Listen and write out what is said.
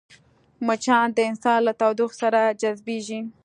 مچان د انسان له تودوخې سره جذبېږي